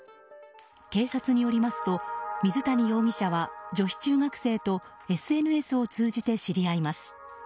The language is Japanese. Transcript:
警察によりますと、水谷容疑者は女子中学生とＳＮＳを通じて知り合います。